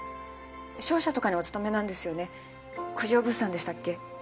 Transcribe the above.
商社とかにお勤めなんですよね九条物産でしたっけ？